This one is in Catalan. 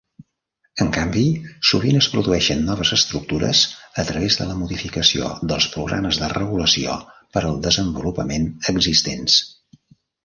En canvi, sovint es produeixen noves estructures a través de la modificació dels programes de regulació per al desenvolupament existents.